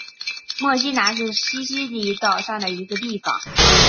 墨西拿是西西里岛上的一个地方。